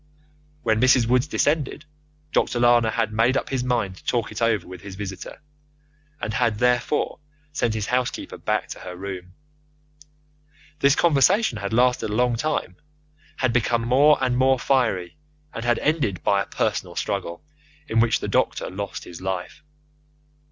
When Mrs. Woods descended, Dr. Lana had made up his mind to talk it over with his visitor, and had, therefore, sent his housekeeper back to her room. This conversation had lasted a long time, had become more and more fiery, and had ended by a personal struggle, in which the doctor lost his life.